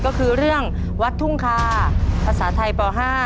ก็คือเรื่องวัดทุ่งคาภาษาไทยป๕